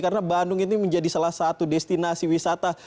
karena bandung ini menjadi salah satu destinasi wisata